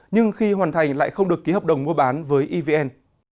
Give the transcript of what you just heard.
nhưng khi hoàn thành lại không được ký hợp đồng mua bán với evn